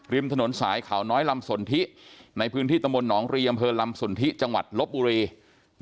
ริมถนนสายเขาน้อยลำสนทิในพื้นที่ตะมนตหนองรีอำเภอลำสนทิจังหวัดลบบุรี